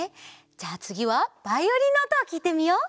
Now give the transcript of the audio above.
じゃあつぎはバイオリンのおとをきいてみよう！